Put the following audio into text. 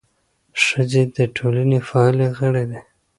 ښځې د ټولنې فعاله غړي دي.